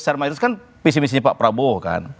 secara mahal itu kan pesimisinya pak prabowo kan